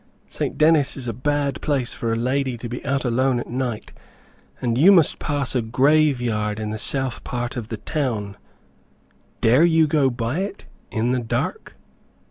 "St. Dennis is a bad place for a lady to be out alone at night, and you must pass a grave yard in the south part of the town; dare you go by it, in the dark?"